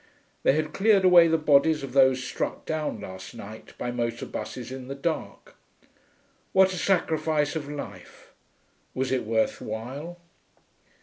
They had cleared away the bodies of those struck down last night by motor buses in the dark. What a sacrifice of life! Was it worth while?